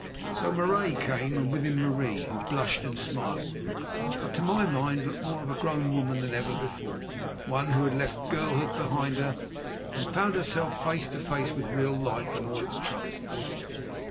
So Marais came, and with him Marie, who blushed and smiled, but to my mind looked more of a grown woman than ever before; one who had left girlhood behind her and found herself face to face with real life and all its troubles.